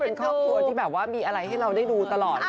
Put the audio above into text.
เป็นครอบครัวที่แบบว่ามีอะไรให้เราได้ดูตลอด